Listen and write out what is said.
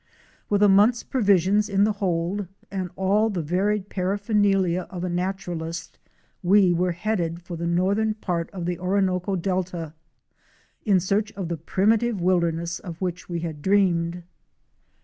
With a month's provisions in the hold and all the varied paraphernalia of a naturalist, we were headed for the northern part of the Orinoco delta in search of the primitive wilderness of which we had dreamed.